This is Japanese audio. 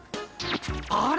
あれ？